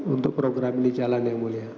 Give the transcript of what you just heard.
untuk program ini jalan yang mulia